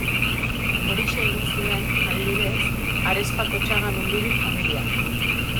Horixe egin zuen, adibidez, Arespakotxaga Mendibil familiak.